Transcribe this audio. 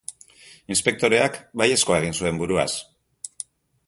Inspektoreak baiezkoa egin zuen buruaz.